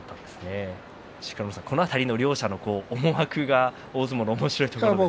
この辺りの両者の思惑が大相撲のおもしろいところですね。